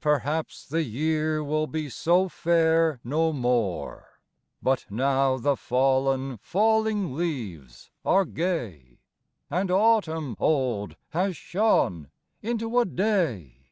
Perhaps the year will be so fair no more, But now the fallen, falling leaves are gay, And autumn old has shone into a Day!